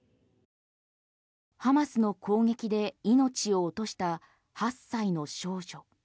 ハマスの攻撃で命を落とした８歳の少女。